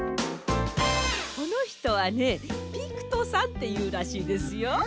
このひとはねピクトさんっていうらしいですよ。